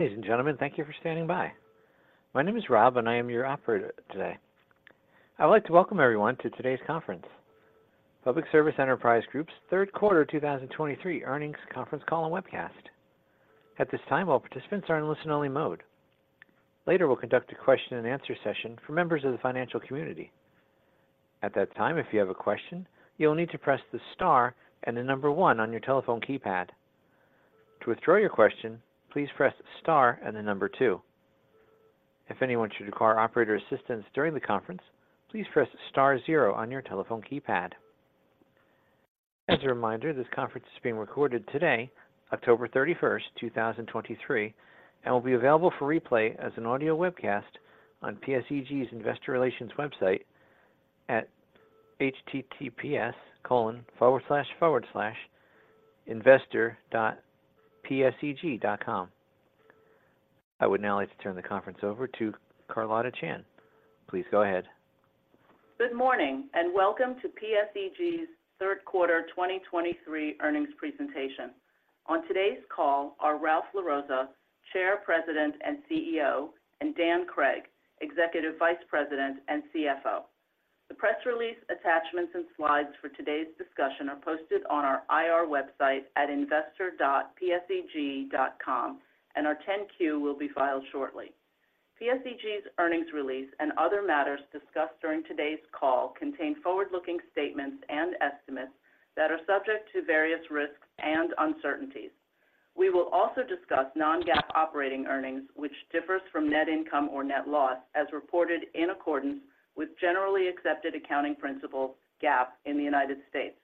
Ladies and gentlemen, thank you for standing by. My name is Rob, and I am your operator today. I would like to welcome everyone to today's conference, Public Service Enterprise Group's third quarter 2023 earnings conference call and webcast. At this time, all participants are in listen-only mode. Later, we'll conduct a question-and-answer session for members of the financial community. At that time, if you have a question, you will need to press the star and the number one on your telephone keypad. To withdraw your question, please press star and the number two. If anyone should require operator assistance during the conference, please press star zero on your telephone keypad. As a reminder, this conference is being recorded today, October 31st, 2023, and will be available for replay as an audio webcast on PSEG's Investor Relations website at https://investor.pseg.com. I would now like to turn the conference over to Carlotta Chan. Please go ahead. Good morning, and welcome to PSEG's third quarter 2023 earnings presentation. On today's call are Ralph LaRossa, Chair, President, and Chief Executive Officer, and Dan Cregg, Executive Vice President and Chief Financial Officer. The press release, attachments, and slides for today's discussion are posted on our IR website at investor.pseg.com, and our 10-Q will be filed shortly. PSEG's earnings release and other matters discussed during today's call contain forward-looking statements and estimates that are subject to various risks and uncertainties. We will also discuss non-GAAP operating earnings, which differs from net income or net loss, as reported in accordance with Generally Accepted Accounting Principles, GAAP, in the United States.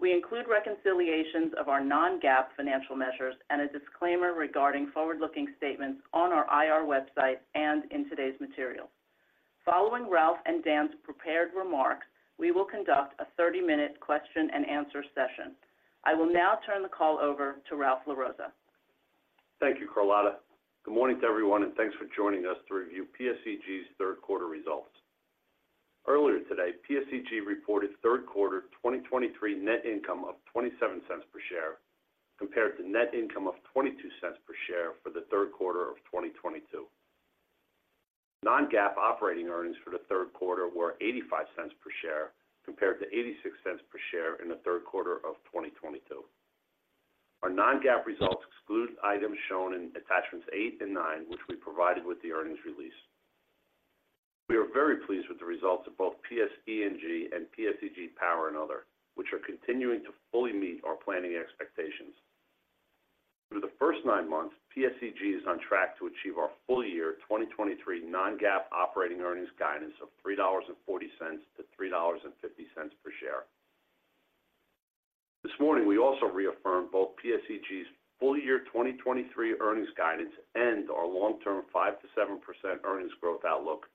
We include reconciliations of our non-GAAP financial measures and a disclaimer regarding forward-looking statements on our IR website and in today's material. Following Ralph and Dan's prepared remarks, we will conduct a 30-minute question-and-answer session. I will now turn the call over to Ralph LaRossa. Thank you, Carlotta. Good morning to everyone, and thanks for joining us to review PSEG's third quarter results. Earlier today, PSEG reported third quarter 2023 net income of $0.27 per share, compared to net income of $0.22 per share for the third quarter of 2022. non-GAAP operating earnings for the third quarter were $0.85 per share, compared to $0.86 per share in the third quarter of 2022. Our non-GAAP results exclude items shown in Attachments 8 and 9, which we provided with the earnings release. We are very pleased with the results of both PSE&G and PSEG Power and Other, which are continuing to fully meet our planning expectations. Through the first nine months, PSEG is on track to achieve our full-year 2023 non-GAAP operating earnings guidance of $3.40-$3.50 per share. This morning, we also reaffirmed both PSEG's full-year 2023 earnings guidance and our long-term 5%-7% earnings growth outlook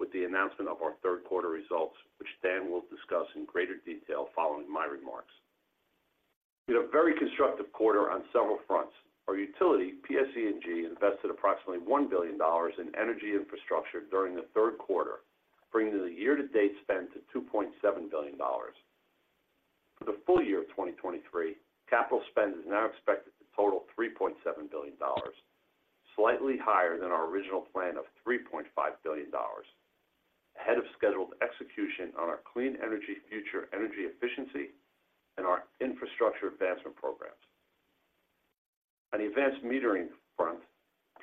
with the announcement of our third quarter results, which Dan will discuss in greater detail following my remarks. We had a very constructive quarter on several fronts. Our utility, PSE&G, invested approximately $1 billion in energy infrastructure during the third quarter, bringing the year-to-date spend to $2.7 billion. For the full year of 2023, capital spend is now expected to total $3.7 billion, slightly higher than our original plan of $3.5 billion, ahead of scheduled execution on our Clean Energy Future - Energy Efficiency, and our Infrastructure Advancement programs. On the advanced metering front,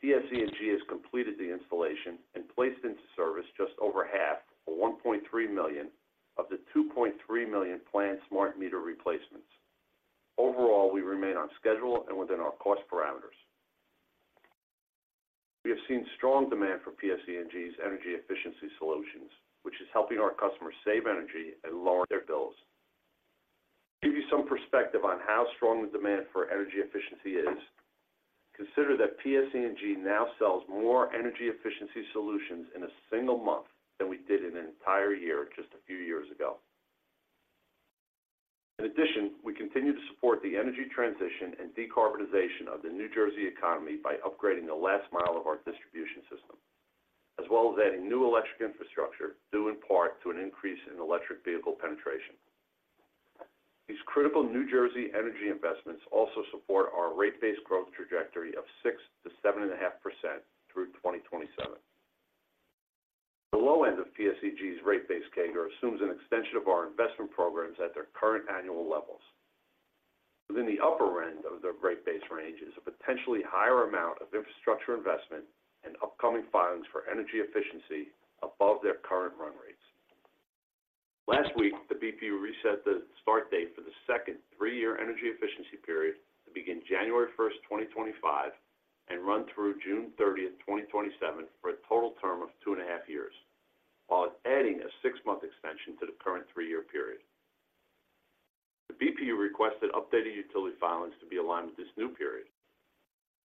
PSE&G has completed the installation and placed into service just over half, or $1.3 million, of the $2.3 million planned smart meter replacements. Overall, we remain on schedule and within our cost parameters. We have seen strong demand for PSE&G's energy efficiency solutions, which is helping our customers save energy and lower their bills. To give you some perspective on how strong the demand for energy efficiency is, consider that PSE&G now sells more energy efficiency solutions in a single month than we did in an entire year just a few years ago. In addition, we continue to support the energy transition and decarbonization of the New Jersey economy by upgrading the last mile of our distribution system, as well as adding new electric infrastructure, due in part to an increase in electric vehicle penetration. These critical New Jersey energy investments also support our rate-based growth trajectory of 6%-7.5% through 2027. The low end of PSEG's rate base CAGR assumes an extension of our investment programs at their current annual levels. Within the upper end of their rate base range is a potentially higher amount of infrastructure investment and upcoming filings for energy efficiency above their current run rates. Last week, the BPU reset the start date for the second three-year energy efficiency period to begin January 1st, 2025, and run through June 13th, 2027, for a total term of two and a half years, while adding a six-month extension to the current three-year period. The BPU requested updated utility filings to be aligned with this new period.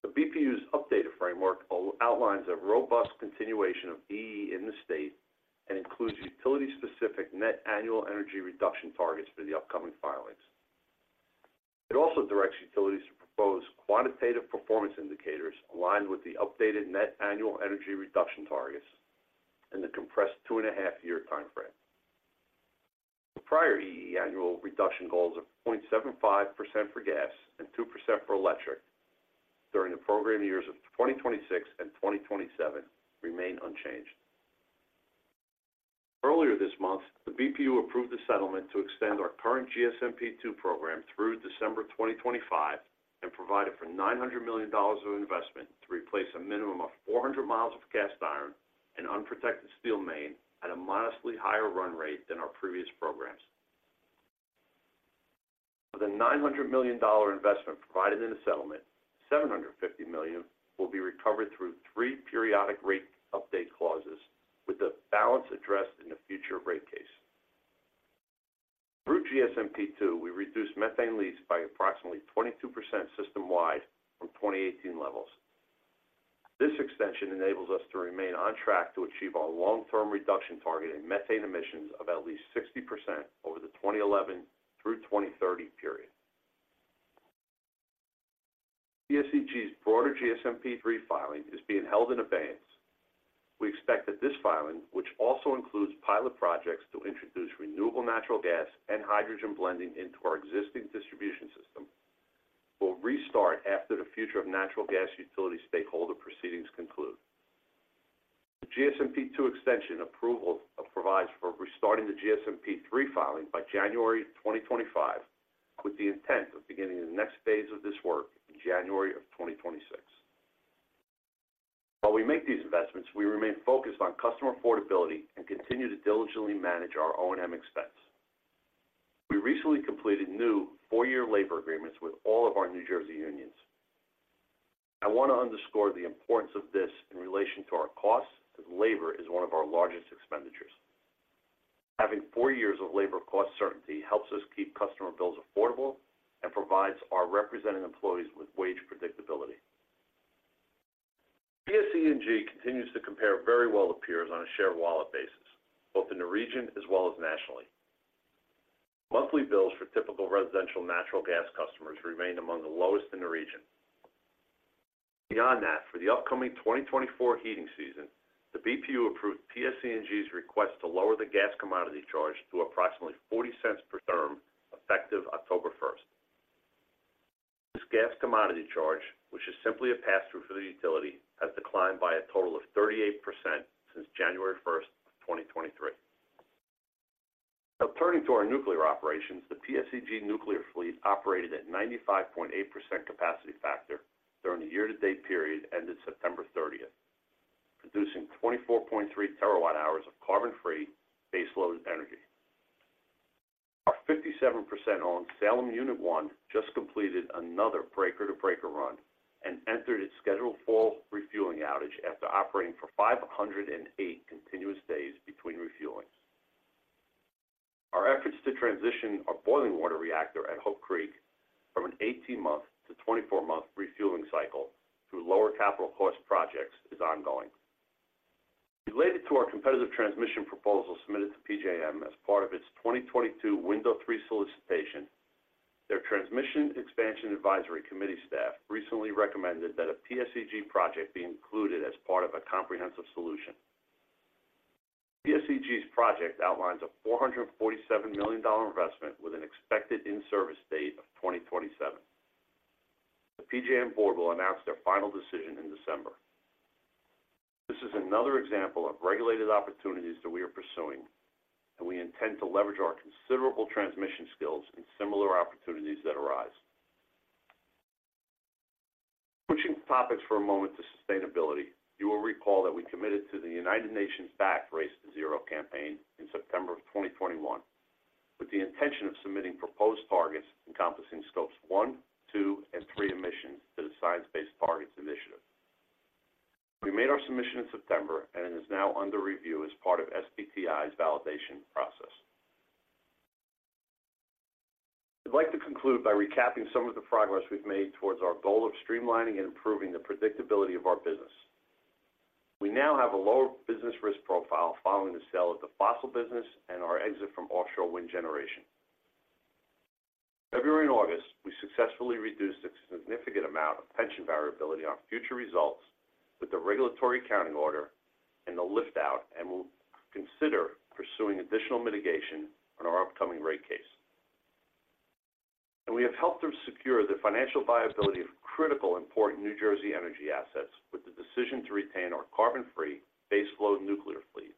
The BPU's updated framework outlines a robust continuation of EE in the state and includes utility-specific net annual energy reduction targets for the upcoming filings. It also directs utilities to propose quantitative performance indicators aligned with the updated net annual energy reduction targets in the compressed 2.5-year time frame. The prior EE annual reduction goals of 0.75% for gas and 2% for electric during the program years of 2026 and 2027 remain unchanged. Earlier this month, the BPU approved a settlement to extend our current GSMP II program through December 2025, and provided for $900 million of investment to replace a minimum of 400 miles of cast iron and unprotected steel main at a modestly higher run rate than our previous programs. Of the $900 million investment provided in the settlement, $750 million will be recovered through three periodic rate update clauses, with the balance addressed in a future rate case. Through GSMP II, we reduced methane leaks by approximately 22% system-wide from 2018 levels. This extension enables us to remain on track to achieve our long-term reduction target in methane emissions of at least 60% over the 2011 through 2030 period. PSEG's broader GSMP III filing is being held in abeyance. We expect that this filing, which also includes pilot projects to introduce renewable natural gas and hydrogen blending into our existing distribution system, will restart after the future of natural gas utility stakeholder proceedings conclude. The GSMP two extension approval provides for restarting the GSMP three filing by January 2025, with the intent of beginning the next phase of this work in January of 2026. While we make these investments, we remain focused on customer affordability and continue to diligently manage our O&M expense. We recently completed new four year labor agreements with all of our New Jersey unions. I want to underscore the importance of this in relation to our costs, as labor is one of our largest expenditures. Having four years of labor cost certainty helps us keep customer bills affordable and provides our representing employees with wage predictability. PSEG continues to compare very well to peers on a shared wallet basis, both in the region as well as nationally. Monthly bills for typical residential natural gas customers remain among the lowest in the region. Beyond that, for the upcoming 2024 heating season, the BPU approved PSEG's request to lower the gas commodity charge to approximately $0.40 per therm, effective October 1st. This gas commodity charge, which is simply a pass-through for the utility, has declined by a total of 38% since January 1st, 2023. Now, turning to our nuclear operations, the PSEG nuclear fleet operated at 95.8% capacity factor during the year-to-date period ended September 30, producing 24.3 TWh of carbon-free baseload energy. Our 57% owned Salem Unit 1 just completed another breaker to breaker run and entered its scheduled fall refueling outage after operating for 508 continuous days between refuelings. Our efforts to transition our boiling water reactor at Hope Creek from an 18-month to 24-month refueling cycle through lower capital cost projects is ongoing. Related to our competitive transmission proposal submitted to PJM as part of its 2022 Window 3 solicitation, their Transmission Expansion Advisory Committee staff recently recommended that a PSEG project be included as part of a comprehensive solution. PSEG's project outlines a $447 million investment with an expected in-service date of 2027. The PJM board will announce their final decision in December. This is another example of regulated opportunities that we are pursuing, and we intend to leverage our considerable transmission skills in similar opportunities that arise. Switching topics for a moment to sustainability, you will recall that we committed to the United Nations-backed Race to Zero campaign in September 2021, with the intention of submitting proposed targets encompassing Scopes 1, 2, and 3 emissions to the Science-Based Targets Initiative. We made our submission in September, and it is now under review as part of SBTI's validation process. I'd like to conclude by recapping some of the progress we've made towards our goal of streamlining and improving the predictability of our business. We now have a lower business risk profile following the sale of the fossil business and our exit from offshore wind generation. In February and August, we successfully reduced a significant amount of pension variability on future results with the regulatory accounting order and the lift out, and we'll consider pursuing additional mitigation on our upcoming rate case. We have helped to secure the financial viability of critical important New Jersey energy assets with the decision to retain our carbon-free baseload nuclear fleet,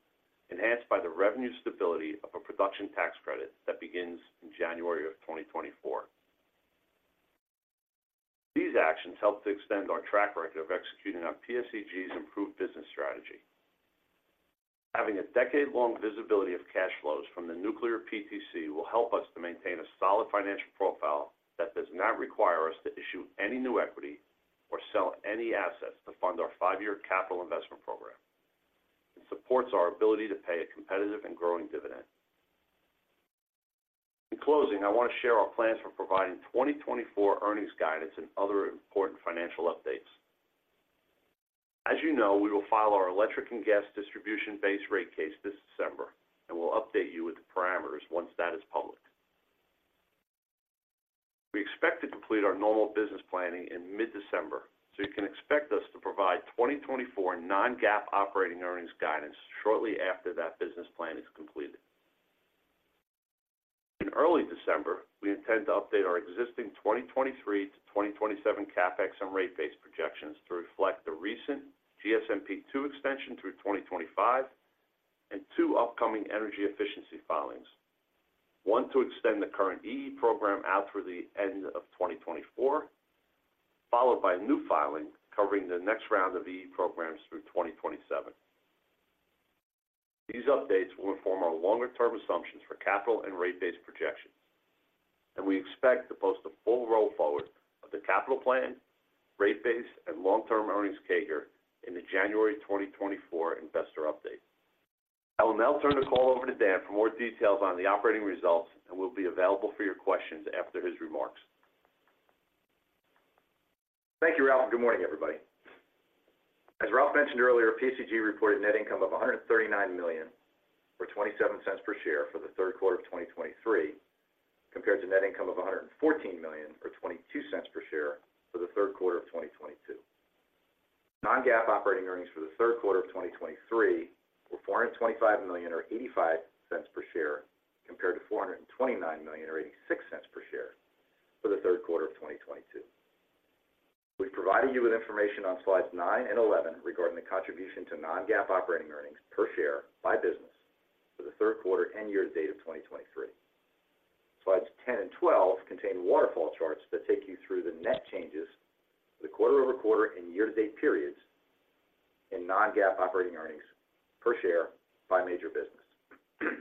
enhanced by the revenue stability of a production tax credit that begins in January 2024. These actions help to extend our track record of executing on PSEG's improved business strategy. Having a decade-long visibility of cash flows from the nuclear PTC will help us to maintain a solid financial profile that does not require us to issue any new equity or sell any assets to fund our five-year capital investment program, and supports our ability to pay a competitive and growing dividend. In closing, I want to share our plans for providing 2024 earnings guidance and other important financial updates. As you know, we will file our electric and gas distribution-based rate case this December, and we'll update you with the parameters once that is public. complete our normal business planning in mid-December, so you can expect us to provide 2024 non-GAAP operating earnings guidance shortly after that business plan is completed. In early December, we intend to update our existing 2023-2027 CapEx and rate base projections to reflect the recent GSMP2 extension through 2025, and two upcoming energy efficiency filings. One, to extend the current EE program out through the end of 2024, followed by a new filing covering the next round of EE programs through 2027. These updates will inform our longer-term assumptions for capital and rate base projections, and we expect to post a full roll forward of the capital plan, rate base, and long-term earnings CAGR in the January 2024 investor update. I will now turn the call over to Dan for more details on the operating results, and we'll be available for your questions after his remarks. Thank you, Ralph. Good morning, everybody. As Ralph mentioned earlier, PSEG reported net income of $139 million, or $0.27 per share for the third quarter of 2023, compared to net income of $114 million, or $0.22 per share for the third quarter of 2022. non-GAAP operating earnings for the third quarter of 2023 were $425 million or $0.85 per share, compared to $429 million or $0.86 per share for the third quarter of 2022. We've provided you with information on slides nine and 11 regarding the contribution to non-GAAP operating earnings per share by business for the third quarter and year to date of 2023. Slides 10 and 12 contain waterfall charts that take you through the net changes for the quarter-over-quarter and year-to-date periods in non-GAAP operating earnings per share by major business.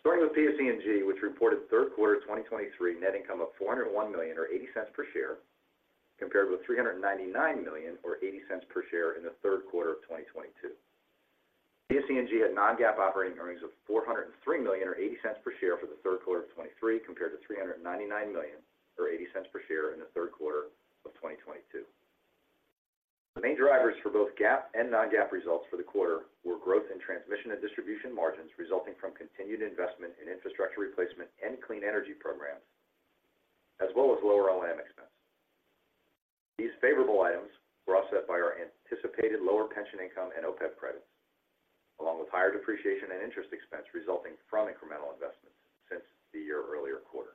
Starting with PSE&G, which reported third quarter 2023 net income of $401 million or $0.80 per share, compared with $399 million or $0.80 per share in the third quarter of 2022. PSE&G had non-GAAP operating earnings of $403 million or $0.80 per share for the third quarter of 2023, compared to $399 million or $0.80 per share in the third quarter of 2022. The main drivers for both GAAP and non-GAAP results for the quarter were growth in transmission and distribution margins, resulting from continued investment in infrastructure replacement and clean energy programs, as well as lower O&M expenses. These favorable items were offset by our anticipated lower pension income and OPEB credits, along with higher depreciation and interest expense resulting from incremental investments since the year-earlier quarter.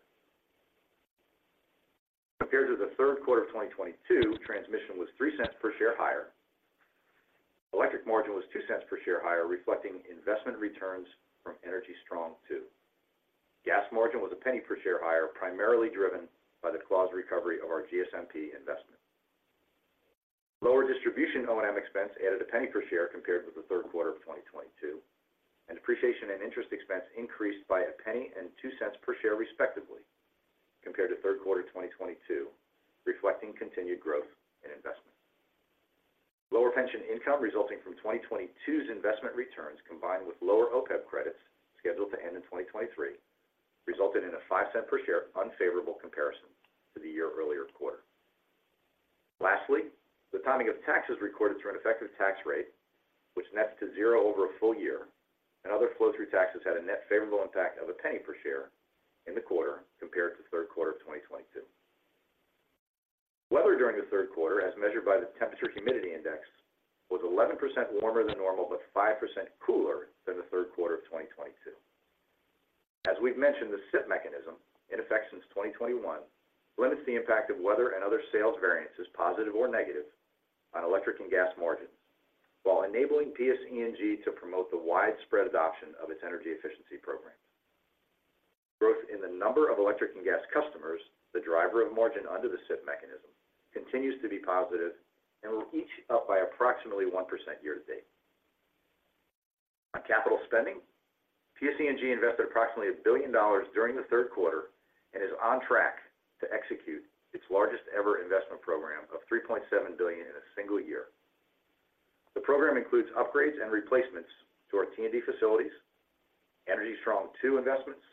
Compared to the third quarter of 2022, transmission was $0.03 per share higher. Electric margin was $0.02 per share higher, reflecting investment returns from Energy Strong II. Gas margin was $0.01 per share higher, primarily driven by the clause recovery of our GSMP investment. Lower distribution O&M expense added $0.01 per share compared with the third quarter of 2022, and depreciation and interest expense increased by $0.01 and $0.02 per share, respectively, compared to third quarter of 2022, reflecting continued growth in investment. Lower pension income resulting from 2022's investment returns, combined with lower OPEB credits scheduled to end in 2023, resulted in a $0.05 per share unfavorable comparison to the year earlier quarter. Lastly, the timing of taxes recorded through an effective tax rate, which nets to zero over a full year, and other flow-through taxes had a net favorable impact of $0.01 per share in the quarter compared to the third quarter of 2022. Weather during the third quarter, as measured by the temperature-humidity index, was 11% warmer than normal, but 5% cooler than the third quarter of 2022. As we've mentioned, the CIP mechanism, in effect since 2021, limits the impact of weather and other sales variances, positive or negative, on electric and gas margins, while enabling PSE&G to promote the widespread adoption of its energy efficiency programs. Growth in the number of electric and gas customers, the driver of margin under the CIP mechanism, continues to be positive and were each up by approximately 1% year to date. On capital spending, PSE&G invested approximately $1 billion during the third quarter and is on track to execute its largest ever investment program of $3.7 billion in a single year. The program includes upgrades and replacements to our T&D facilities, Energy Strong II investments,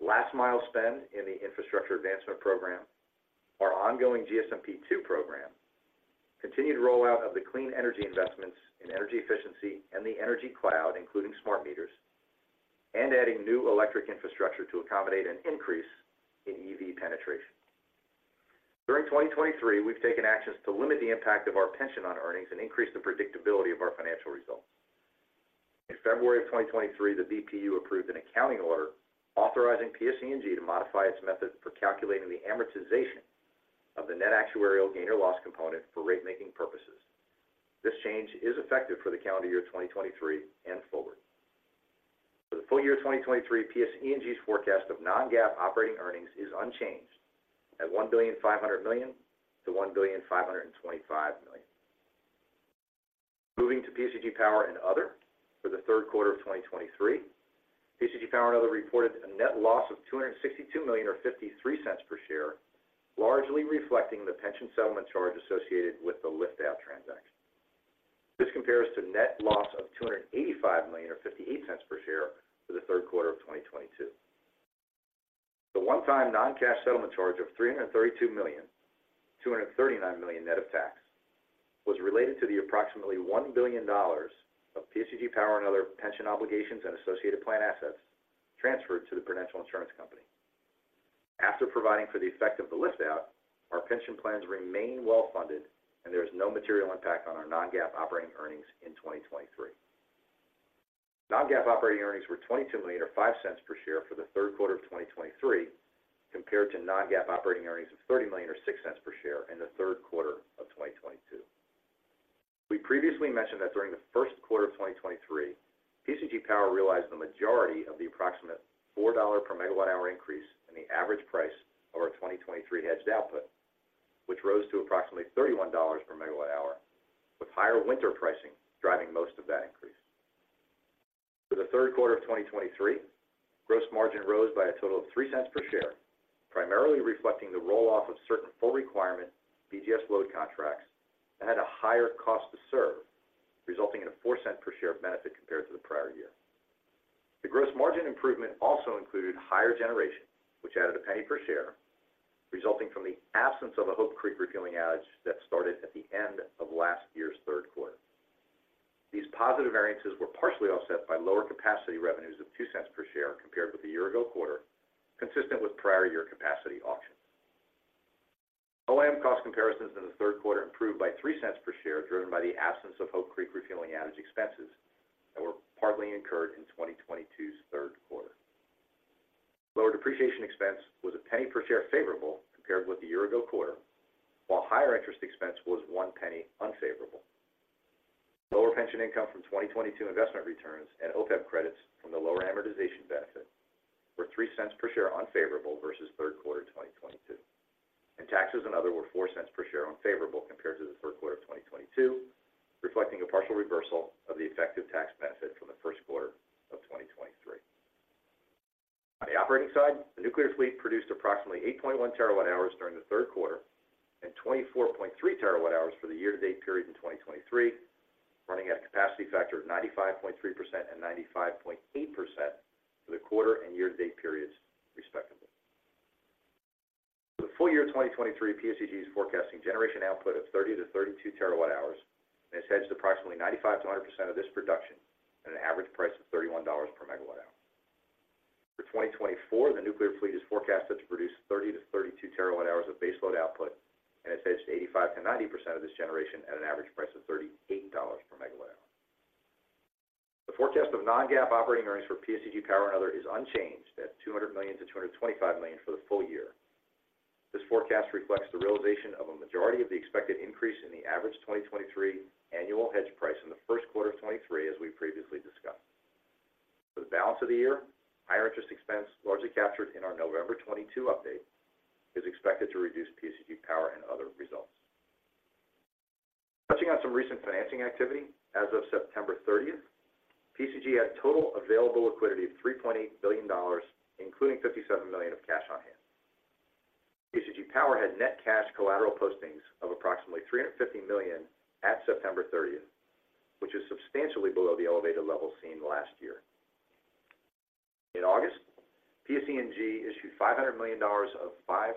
last mile spend in the Infrastructure Advancement Program, our ongoing GSMP2 program, continued rollout of the clean energy investments in energy efficiency and the Energy Cloud, including smart meters, and adding new electric infrastructure to accommodate an increase in EV penetration. During 2023, we've taken actions to limit the impact of our pension on earnings and increase the predictability of our financial results. In February of 2023, the BPU approved an accounting order authorizing PSE&G to modify its method for calculating the amortization of the net actuarial gain or loss component for rate-making purposes. This change is effective for the calendar year 2023 and forward. For the full year 2023, PSE&G's forecast of non-GAAP operating earnings is unchanged at $1.5 billion-$1.525 billion. Moving to PSEG Power and Other, for the third quarter of 2023, PSEG Power and Other reported a net loss of $262 million or $0.53 per share, largely reflecting the pension settlement charge associated with the lift out transaction. This compares to net loss of $285 million or $0.58 per share for the third quarter of 2022. The one-time non-cash settlement charge of $332 million, $239 million net of tax, was related to the approximately $1 billion of PSEG Power and other pension obligations and associated plan assets transferred to the Prudential Insurance Company. After providing for the effect of the lift out, our pension plans remain well-funded, and there is no material impact on our non-GAAP operating earnings in 2023. non-GAAP operating earnings were $22 million, or $0.05 per share for the third quarter of 2023, compared to non-GAAP operating earnings of $30 million or $0.06 per share in the third quarter of 2022. We previously mentioned that during the first quarter of 2023, PSEG Power realized the majority of the approximate $4 per MW hour increase in the average price of our 2023 hedged output, which rose to approximately $31 per MW hour, with higher winter pricing driving most of that increase. For the third quarter of 2023, gross margin rose by a total of $0.03 per share, primarily reflecting the roll-off of certain full requirement BGS load contracts that had a higher cost to serve, resulting in a $0.04 per share of benefit compared to the prior year. The gross margin improvement also included higher generation, which added $0.01 per share, resulting from the absence of a Hope Creek refueling outage that started at the end of last year's third quarter. These positive variances were partially offset by lower capacity revenues of $0.02 per share compared with the year ago quarter, consistent with prior year capacity auctions. O&M cost comparisons in the third quarter improved by $0.03 per share, driven by the absence of Hope Creek refueling outage expenses that were partly incurred in 2022's third quarter. Lower depreciation expense was $0.01 per share favorable compared with the year ago quarter, while higher interest expense was $0.01 unfavorable. Lower pension income from 2022 investment returns and OPEB credits from the lower amortization benefit were $0.03 per share unfavorable versus third quarter 2022, and taxes and other were $0.04 per share unfavorable compared to the third quarter of 2022, reflecting a partial reversal of the effective tax benefit from the first quarter of 2023. On the operating side, the nuclear fleet produced approximately 8.1 TWh during the third quarter and 24.3 TWh for the year-to-date period in 2023, running at a capacity factor of 95.3% and 95.8% for the quarter and year-to-date periods, respectively. For the full year of 2023, PSEG is forecasting generation output of 30-32 TWh, and it's hedged approximately 95%-100% of this production at an average price of $31/MWh. For 2024, the nuclear fleet is forecasted to produce 30-32 TWh of baseload output, and it's hedged 85%-90% of this generation at an average price of $38/MWh. The forecast of non-GAAP Operating Earnings for PSEG Power and Other is unchanged at $200 million-$225 million for the full year. This forecast reflects the realization of a majority of the expected increase in the average 2023 annual hedge price in the first quarter of 2023, as we previously discussed. For the balance of the year, higher interest expense, largely captured in our November 2022 update, is expected to reduce PSEG Power and Other results. Touching on some recent financing activity. As of September 30, PSEG had total available liquidity of $3.8 billion, including $57 million of cash on hand. PSEG Power had net cash collateral postings of approximately $350 million at September 30, which is substantially below the elevated level seen last year. In August, PSEG issued $500 million of 5.2%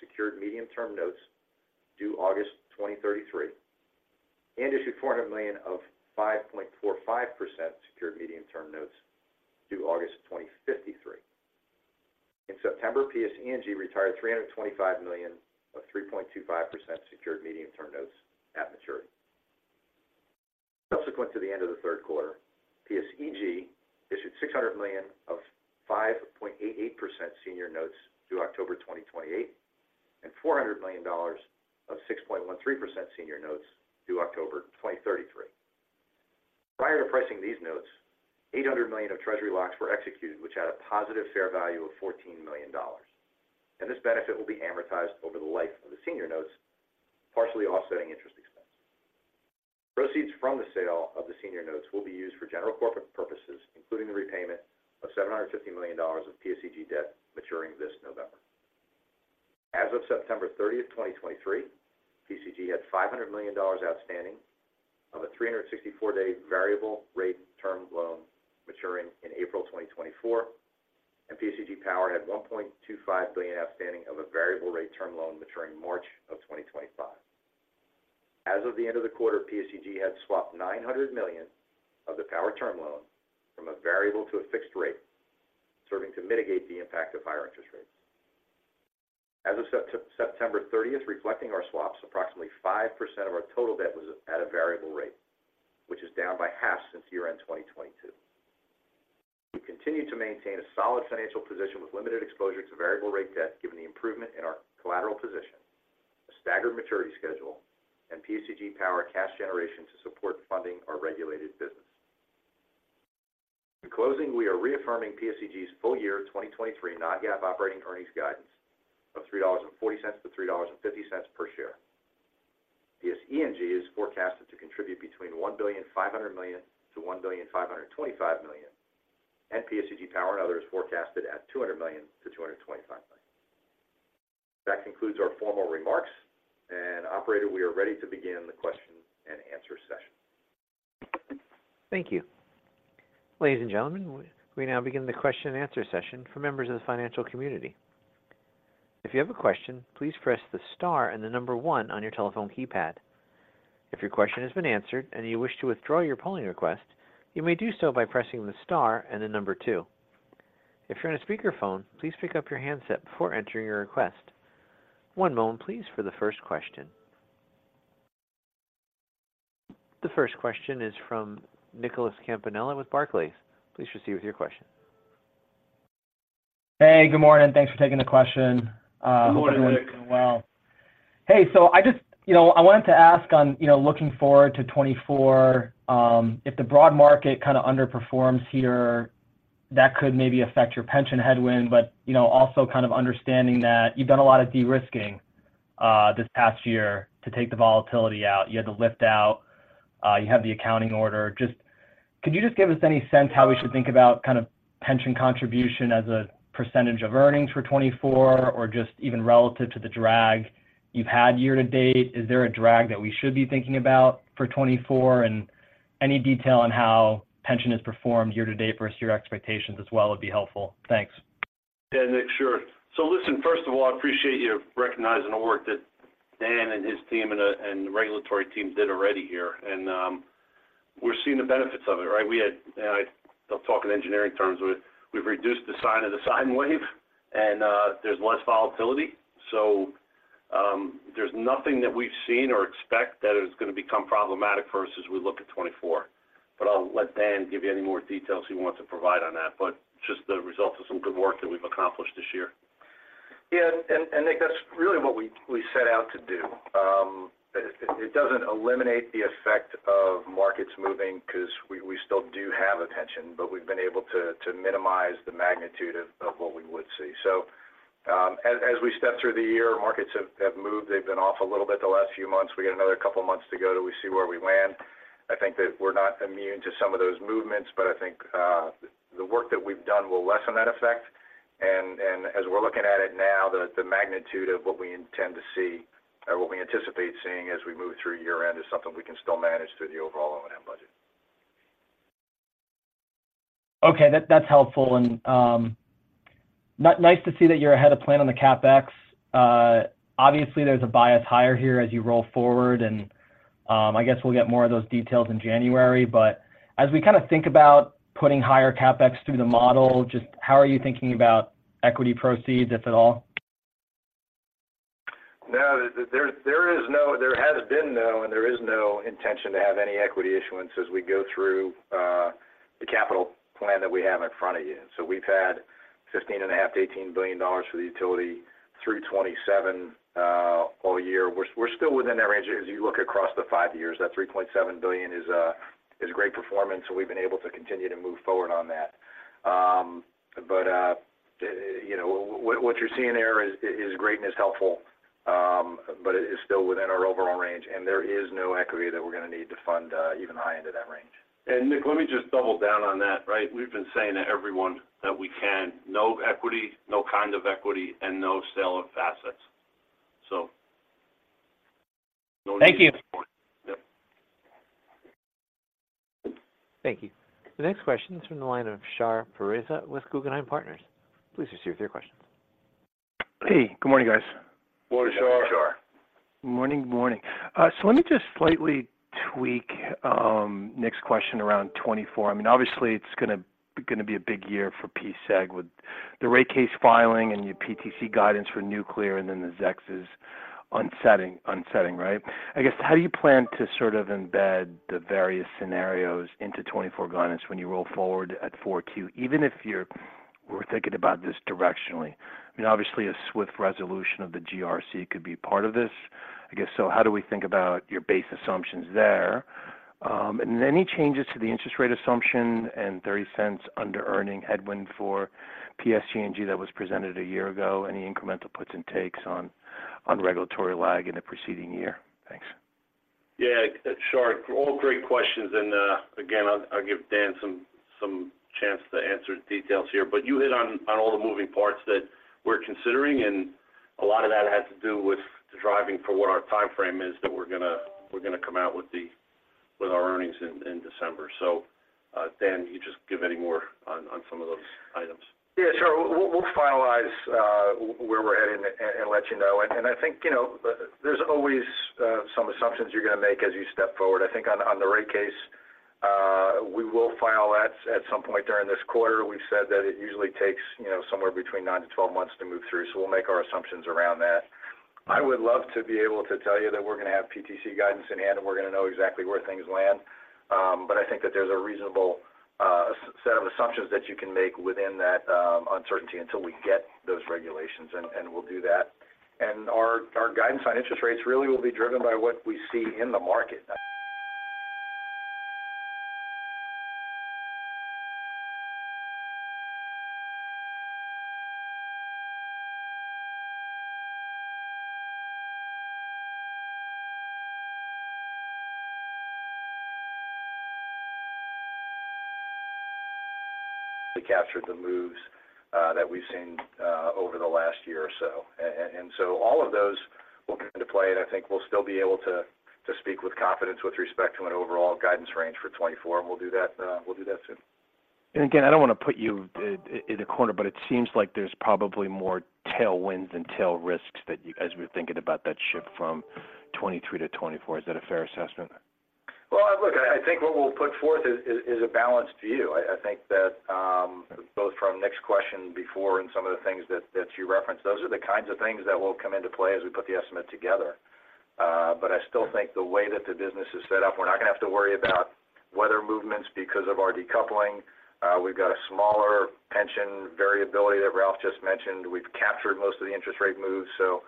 secured medium-term notes due August 2033, and issued $400 million of 5.45% secured medium-term notes due August of 2053. In September, PSEG retired $325 million of 3.25% secured medium-term notes at maturity. Subsequent to the end of the third quarter, PSEG issued $600 million of 5.88% senior notes due October 2028, and $400 million of 6.13% senior notes due October 2033. Prior to pricing these notes, 800 million of treasury locks were executed, which had a positive fair value of $14 million, and this benefit will be amortized over the life of the senior notes, partially offsetting interest expense. Proceeds from the sale of the senior notes will be used for general corporate purposes, including the repayment of $750 million of PSEG debt maturing this November. As of September 30, 2023, PSEG had $500 million outstanding of a 364-day variable rate term loan maturing in April 2024, and PSEG Power had $1.25 billion outstanding of a variable rate term loan maturing March 2025. As of the end of the quarter, PSEG had swapped $900 million of the power term loan from a variable to a fixed rate, serving to mitigate the impact of higher interest rates. As of September 30, reflecting our swaps, approximately 5% of our total debt was at a variable rate, which is down by half since year-end 2022. We continue to maintain a solid financial position with limited exposure to variable rate debt, given the improvement in our collateral position, a staggered maturity schedule, and PSEG Power cash generation to support funding our regulated business. In closing, we are reaffirming PSEG's full year 2023 non-GAAP operating earnings guidance of $3.40-$3.50 per share. PSE&G is forecasted to contribute between $1.5 billion to $1.525 billion, and PSEG Power and Other is forecasted at $200 million-$225 million. That concludes our formal remarks. Operator, we are ready to begin the question and answer session. Thank you. Ladies and gentlemen, we now begin the question and answer session for members of the financial community. If you have a question, please press the star and the number one on your telephone keypad. If your question has been answered and you wish to withdraw your polling request, you may do so by pressing the star and then number two. If you're on a speakerphone, please pick up your handset before entering your request. One moment please, for the first question. The first question is from Nicholas Campanella with Barclays. Please proceed with your question. Hey, good morning. Thanks for taking the question. Good morning, Nick. Well. Hey, so I just, you know, I wanted to ask on, you know, looking forward to 2024, if the broad market kind of underperforms here, that could maybe affect your pension headwind, but, you know, also kind of understanding that you've done a lot of de-risking, this past year to take the volatility out. You had the lift out, you have the accounting order. Just, could you just give us any sense how we should think about kind of pension contribution as a percentage of earnings for 2024, or just even relative to the drag you've had year to date? Is there a drag that we should be thinking about for 2024? And any detail on how pension has performed year to date versus your expectations as well, would be helpful. Thanks. Yeah, Nick, sure. So listen, first of all, I appreciate you recognizing the work that Dan and his team and, and the regulatory team did already here. We're seeing the benefits of it, right? I'll talk in engineering terms, we've reduced the sign of the sine wave, and, there's less volatility. So, there's nothing that we've seen or expect that is going to become problematic for us as we look at 2024. But I'll let Dan give you any more details he wants to provide on that, but just the results of some good work that we've accomplished this year. Yeah, Nick, that's really what we set out to do. It doesn't eliminate the effect of markets moving, 'cause we still do have a pension, but we've been able to minimize the magnitude of what we would see. So, as we step through the year, markets have moved. They've been off a little bit the last few months. We got another couple of months to go till we see where we land. I think that we're not immune to some of those movements, but I think the work that we've done will lessen that effect. And as we're looking at it now, the magnitude of what we intend to see or what we anticipate seeing as we move through year-end, is something we can still manage through the overall OM budget. Okay, that, that's helpful. And, nice to see that you're ahead of plan on the CapEx. Obviously, there's a bias higher here as you roll forward, and, I guess we'll get more of those details in January. But as we kind of think about putting higher CapEx through the model, just how are you thinking about equity proceeds, if at all? No, there is no—there has been no, and there is no intention to have any equity issuance as we go through the capital plan that we have in front of you. So we've had $15.5 billion-$18 billion for the utility through 2027 all year. We're still within that range as you look across the five years. That $3.7 billion is a great performance, so we've been able to continue to move forward on that. But you know, what you're seeing there is great and is helpful, but it is still within our overall range, and there is no equity that we're going to need to fund even the high end of that range. Nick, let me just double down on that, right? We've been saying to everyone that we can, no equity, no kind of equity, and no sale of assets. Thank you. Yep. Thank you. The next question is from the line of Shar Pourreza with Guggenheim Partners. Please proceed with your questions. Hey, good morning, guys. Good morning, Shar. Shar. Morning, morning. So let me just slightly tweak Nick's question around 2024. I mean, obviously, it's gonna be a big year for PSEG with the rate case filing and your PTC guidance for nuclear, and then the ZECs sunsetting, right? I guess, how do you plan to sort of embed the various scenarios into 2024 guidance when you roll forward at 42, even if we're thinking about this directionally? I mean, obviously, a swift resolution of the GRC could be part of this. I guess so, how do we think about your base assumptions there? And any changes to the interest rate assumption and $0.30 under-earning headwind for PSE&G that was presented a year ago, any incremental puts and takes on regulatory lag in the preceding year? Thanks. Yeah, Shar, all great questions, and again, I'll give Dan some chance to answer the details here. But you hit on all the moving parts that we're considering, and a lot of that has to do with the driving for what our time frame is, that we're gonna come out with our earnings in December. So, Dan, you just give any more on some of those items. Yeah, sure. We'll finalize where we're heading and let you know. I think, you know, there's always some assumptions you're going to make as you step forward. I think on the rate case, we will file that at some point during this quarter. We've said that it usually takes, you know, somewhere between 9-12 months to move through, so we'll make our assumptions around that. I would love to be able to tell you that we're going to have PTC guidance in hand, and we're going to know exactly where things land. But I think that there's a reasonable set of assumptions that you can make within that uncertainty until we get those regulations, and we'll do that. Our guidance on interest rates really will be driven by what we see in the market. we captured the moves that we've seen over the last year or so. And so all of those will come into play, and I think we'll still be able to speak with confidence with respect to an overall guidance range for 2024, and we'll do that soon. And again, I don't wanna put you in a corner, but it seems like there's probably more tailwinds than tail risks that you as we're thinking about that shift from 2023 to 2024. Is that a fair assessment? Well, look, I think what we'll put forth is a balanced view. I think that both from Nick's question before and some of the things that you referenced, those are the kinds of things that will come into play as we put the estimate together. But I still think the way that the business is set up, we're not gonna have to worry about weather movements because of our decoupling. We've got a smaller pension variability that Ralph just mentioned. We've captured most of the interest rate moves. So,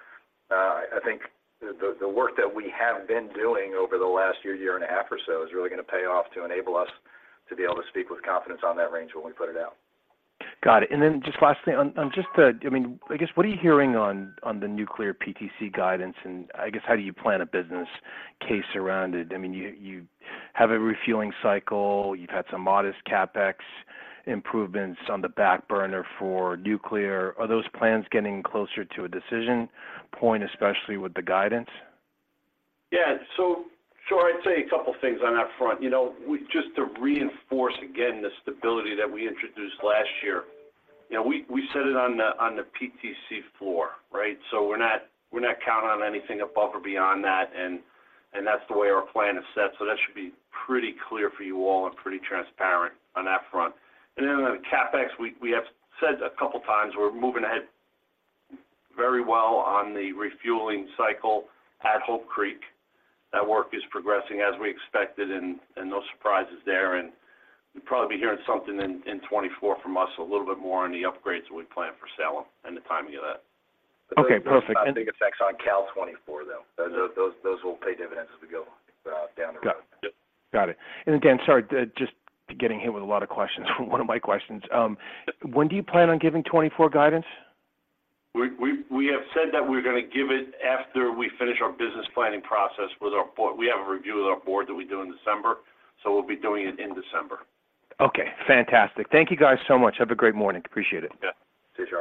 I think the work that we have been doing over the last year, year and a half or so, is really gonna pay off to enable us to be able to speak with confidence on that range when we put it out. Got it. And then just lastly, on just the, I mean, I guess, what are you hearing on the nuclear PTC guidance, and I guess, how do you plan a business case around it? I mean, you have a refueling cycle, you've had some modest CapEx improvements on the back burner for nuclear. Are those plans getting closer to a decision point, especially with the guidance? Yeah. So sure, I'd say a couple of things on that front. You know, we, just to reinforce again, the stability that we introduced last year, you know, we, we set it on the, on the PTC floor, right? So we're not, we're not counting on anything above or beyond that, and, and that's the way our plan is set. So that should be pretty clear for you all and pretty transparent on that front. And then on the CapEx, we, we have said a couple of times, we're moving ahead very well on the refueling cycle at Hope Creek. That work is progressing as we expected, and, and no surprises there. And you'll probably be hearing something in 2024 from us, a little bit more on the upgrades that we plan for Salem and the timing of that. Okay, perfect. Big effects on CapEx 2024, though. Those will pay dividends as we go down the road. Got it. And again, sorry, just getting hit with a lot of questions. One of my questions, when do you plan on giving 2024 guidance? We have said that we're gonna give it after we finish our business planning process with our board. We have a review with our board that we do in December, so we'll be doing it in December. Okay, fantastic. Thank you guys so much. Have a great morning. Appreciate it. Yeah. See you,.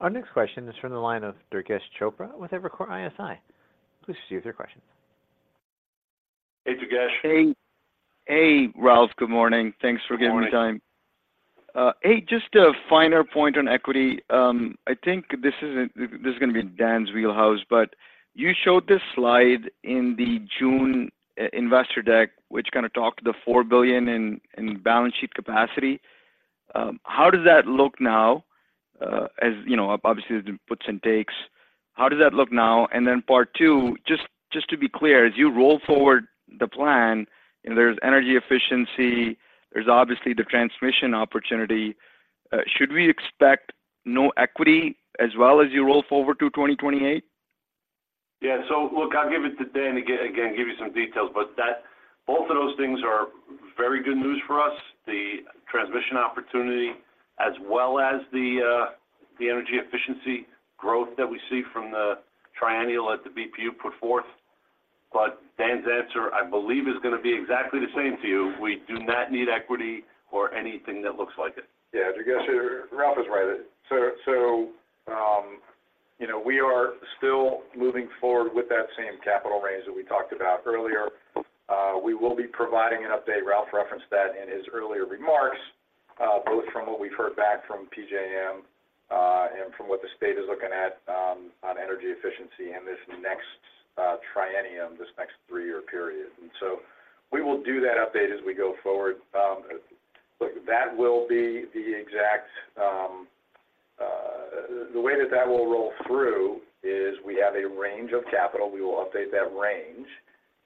Our next question is from the line of Durgesh Chopra with Evercore ISI. Please proceed with your question. Hey, Durgesh. Hey. Hey, Ralph, good morning. Thanks for giving me time. Good morning. Hey, just a finer point on equity. I think this is gonna be Dan's wheelhouse, but you showed this slide in the June investor deck, which talked the $4 billion in balance sheet capacity. How does that look now? As you know, obviously, there's puts and takes. How does that look now? And then part two, just to be clear, as you roll forward the plan, and there's energy efficiency, there's obviously the transmission opportunity, should we expect no equity as well as you roll forward to 2028? Yeah. So look, I'll give it to Dan, again, give you some details, but that both of those things are very good news for us, the transmission opportunity, as well as the, the energy efficiency growth that we see from the triennial that the BPU put forth. But Dan's answer, I believe, is gonna be exactly the same to you. We do not need equity or anything that looks like it. Yeah, Durgesh, Ralph is right. So, you know, we are still moving forward with that same capital range that we talked about earlier. We will be providing an update. Ralph referenced that in his earlier remarks, both from what we've heard back from PJM, and from what the state is looking at, on energy efficiency in this next triennium, this next three-year period. And so we will do that update as we go forward. Look, that will be the exact. The way that that will roll through is we have a range of capital. We will update that range,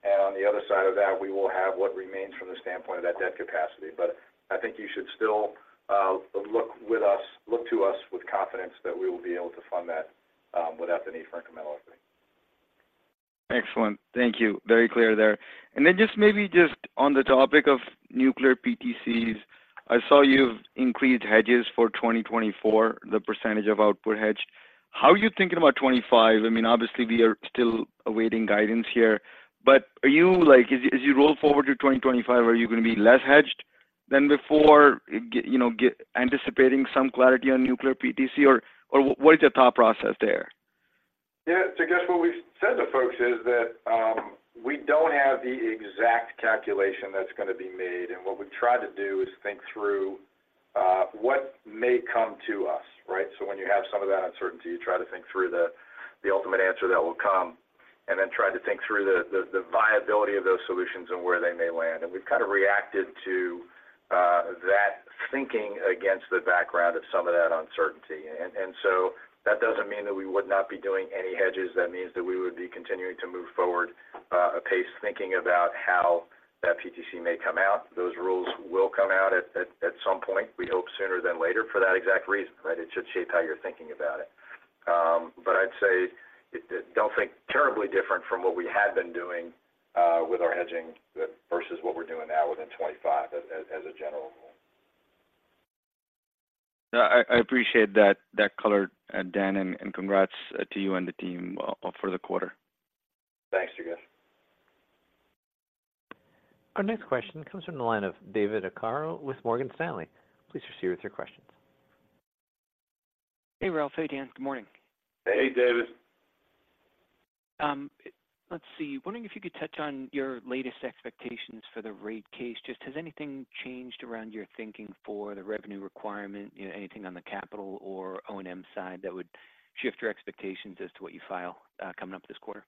and on the other side of that, we will have what remains from the standpoint of that debt capacity. But I think you should still look to us with confidence that we will be able to fund that without the need for incremental equity. Excellent. Thank you. Very clear there. And then just maybe just on the topic of nuclear PTCs, I saw you've increased hedges for 2024, the percentage of output hedge. How are you thinking about 2025? I mean, obviously, we are still awaiting guidance here, but are you like, as you, as you roll forward to 2025, are you going to be less hedged than before, get, you know, get anticipating some clarity on nuclear PTC, or, or what is your top process there? Yeah. So guess what we've said to folks is that, we don't have the exact calculation that's gonna be made, and what we've tried to do is think through, what may come to us, right? So when you have some of that uncertainty, you try to think through the ultimate answer that will come, and then try to think through the viability of those solutions and where they may land. And we've kinda reacted to that thinking against the background of some of that uncertainty. And so that doesn't mean that we would not be doing any hedges. That means that we would be continuing to move forward a pace, thinking about how that PTC may come out. Those rules will come out at some point, we hope sooner than later, for that exact reason, right? It should shape how you're thinking about it. But I'd say, don't think terribly different from what we had been doing, with our hedging versus what we're doing now within 25, as a general rule. Yeah, I appreciate that color, Dan, and congrats to you and the team for the quarter. Thanks, Durgesh. Our next question comes from the line of David Arcaro with Morgan Stanley. Please proceed with your questions. Hey, Ralph. Hey, Dan. Good morning. Hey, David. Let's see. Wondering if you could touch on your latest expectations for the rate case. Just has anything changed around your thinking for the revenue requirement? You know, anything on the capital or O&M side that would shift your expectations as to what you file, coming up this quarter?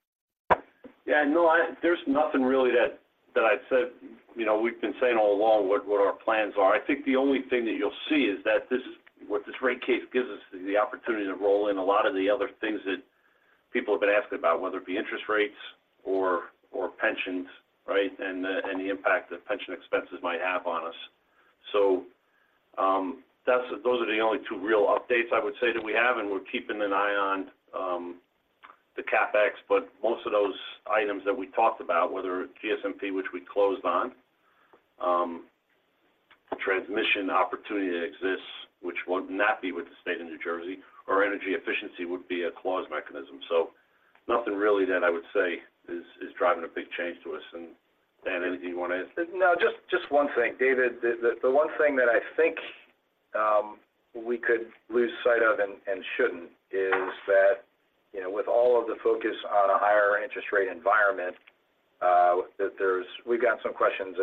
Yeah, no, there's nothing really that I'd said. You know, we've been saying all along what our plans are. I think the only thing that you'll see is that this is what this rate case gives us is the opportunity to roll in a lot of the other things that people have been asking about, whether it be interest rates or pensions, right? And the impact that pension expenses might have on us. So, that's those are the only two real updates I would say that we have, and we're keeping an eye on the CapEx. But most of those items that we talked about, whether GSMP, which we closed on, transmission opportunity that exists, which would not be with the state of New Jersey, or energy efficiency would be a clause mechanism. So nothing really that I would say is driving a big change to us. And, Dan, anything you want to add? No, just, just one thing. David, the one thing that I think we could lose sight of and shouldn't is that, you know, with all of the focus on a higher interest rate environment, that we've got some questions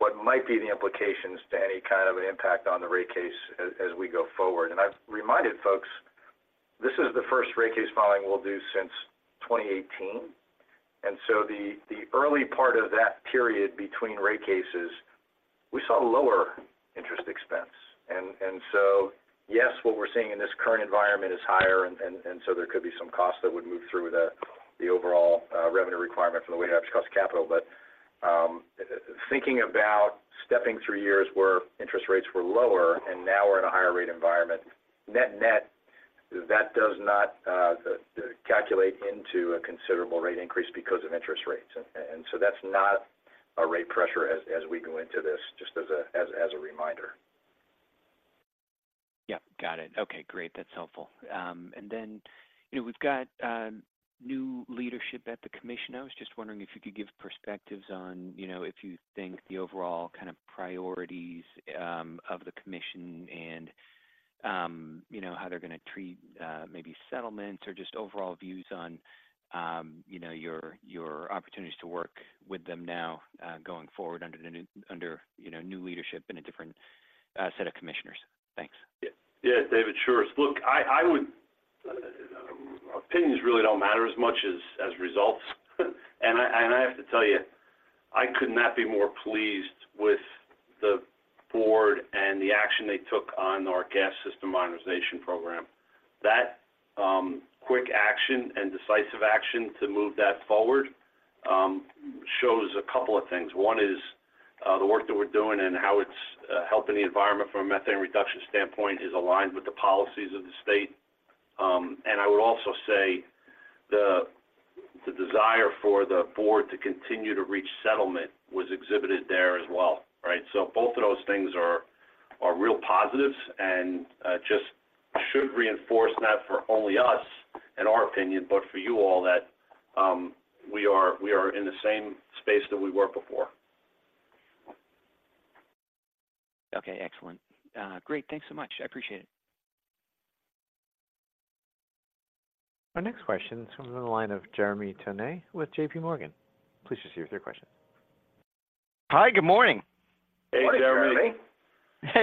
about what might be the implications to any kind of impact on the rate case as we go forward. And I've reminded folks, this is the first rate case filing we'll do since 2018, and so the early part of that period between rate cases, we saw lower interest expense. And so yes, what we're seeing in this current environment is higher, and so there could be some costs that would move through the overall revenue requirement for the weighted average cost of capital. But, thinking about stepping through years where interest rates were lower and now we're in a higher rate environment, net-net, that does not calculate into a considerable rate increase because of interest rates. And so that's not a rate pressure as we go into this, just as a reminder. Yeah, got it. Okay, great. That's helpful. And then, you know, we've got new leadership at the commission. I was just wondering if you could give perspectives on, you know, if you think the overall kind of priorities of the commission and, you know, how they're going to treat maybe settlements or just overall views on, you know, your opportunities to work with them now going forward under new leadership and a different set of commissioners. Thanks. Yeah. Yeah, David, sure. Look, I would... opinions really don't matter as much as results. And I have to tell you, I could not be more pleased with the board and the action they took on our Gas System Modernization Program. That quick action and decisive action to move that forward shows a couple of things. One is the work that we're doing and how it's helping the environment from a methane reduction standpoint is aligned with the policies of the state. And I would also say the desire for the board to continue to reach settlement was exhibited there as well, right? So both of those things are real positives and just should reinforce not for only us and our opinion, but for you all, that we are in the same space that we were before. Okay, excellent. Great. Thanks so much. I appreciate it. Our next question comes from the line of Jeremy Tonet with J.P. Morgan. Please proceed with your question. Hi, good morning. Hey, Jeremy. Morning, Jeremy.